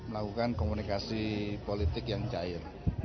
melakukan komunikasi politik yang cair